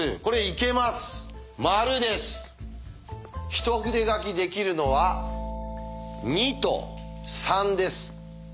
一筆書きできるのは２と３です。